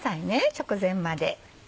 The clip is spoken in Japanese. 直前まで。